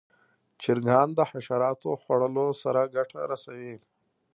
چرګان د حشراتو خوړلو سره ګټه رسوي.